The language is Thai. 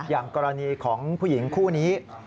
อย่างกรณีของผู้หญิงคู่นี้